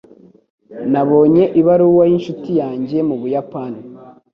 Nabonye ibaruwa yincuti yanjye mu Buyapani.